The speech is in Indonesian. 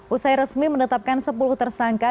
usai resmi menetapkan sepuluh tersangka